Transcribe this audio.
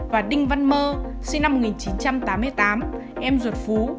và đinh văn mơ sinh năm một nghìn chín trăm tám mươi tám em ruột phú